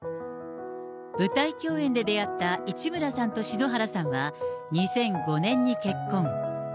舞台共演で出会った市村さんと篠原さんは２００５年に結婚。